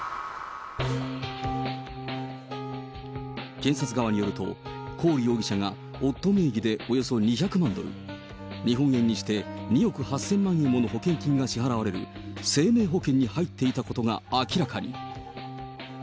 検察側によると、コーリ容疑者が夫名義でおよそ２００万ドル、日本円にして２億８０００万円もの保険金が支払われる生命保険に入っていたことが明らかに。